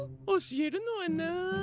おしえるのはな。